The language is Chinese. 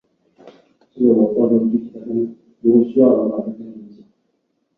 该寺的药师如来像为淡路市的重要文化财产。